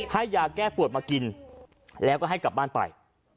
ให้ยาแก้ปวดมากินแล้วก็ให้กลับบ้านไป